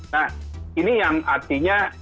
nah ini yang artinya